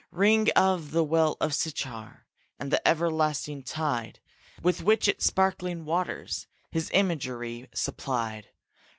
Ring of the well of Sichar And the everlasting tide, With which its sparkling waters His imagery supplied.